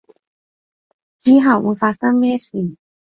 之後會發生咩事